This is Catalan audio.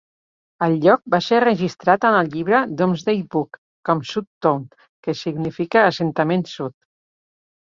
El lloc va ser registrat en el llibre "Domesday Book" com "Sudtone", que significa "assentament sud".